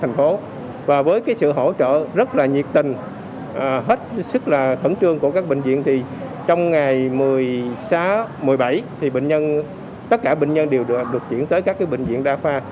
năm hai nghìn một mươi bảy tất cả bệnh nhân đều được chuyển tới các bệnh viện đa pha